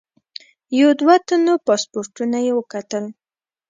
یو دوه تنو پاسپورټونه یې وکتل.